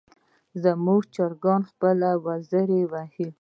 زموږ چرګه خپلې وزرې وهي.